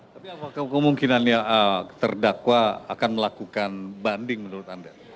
tapi apakah kemungkinannya terdakwa akan melakukan banding menurut anda